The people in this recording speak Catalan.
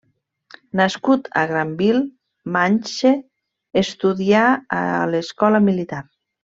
Nascut a Granville, Manche, estudià a l'Escola militar.